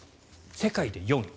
世界で４位。